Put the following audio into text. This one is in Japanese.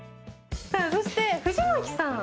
そして藤牧さん。